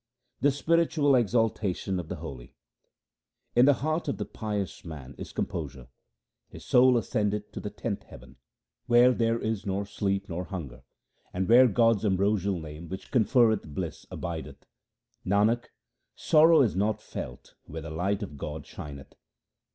The spiritual exaltation of the holy :— In the heart of the pious man is composure ; his soul ascendeth to the tenth heaven, Where there is nor sleep nor hunger, and where God's ambrosial name which conferreth bliss abideth. Nanak, sorrow is not felt where the light of God shineth.